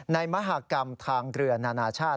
มหากรรมทางเรือนานาชาติ